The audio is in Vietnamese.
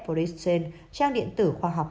policy change trang điện tử khoa học